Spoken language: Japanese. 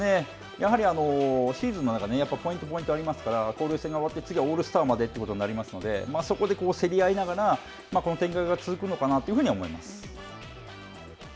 やはりシーズンの中でポイント、ポイントがありますから、交流戦が終わって次はオールスターまでということになりますので、そこで競り合いながら、この展開が続くのかなというふうには思います。